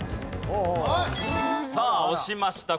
さあ押しました。